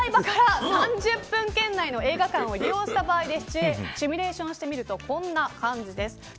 お台場から３０分圏内の映画館を利用した場合でシミュレーションするとこんな感じです。